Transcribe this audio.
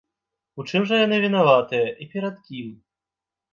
У чым жа яны вінаватыя і перад кім?